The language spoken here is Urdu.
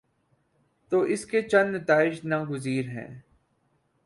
تو اس کے چند نتائج ناگزیر ہیں۔